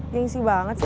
gengsi banget sih